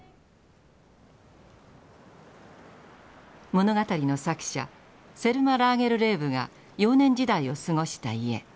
物語の作者セルマ・ラーゲルレーブが幼年時代を過ごした家。